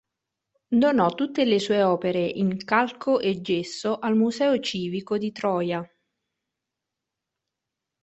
Donò tutte le sue opere in calco e gesso al museo civico di Troia.